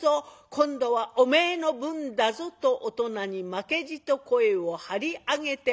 今度はおめえの分だぞ」と大人に負けじと声を張り上げております。